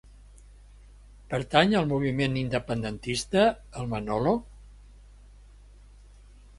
Pertany al moviment independentista el Manolo?